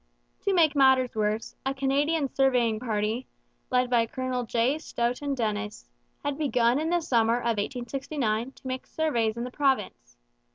To make matters worse, a Canadian surveying party, led by Colonel J. Stoughton Dennis, had begun in the summer of 1869 to make surveys in the Province.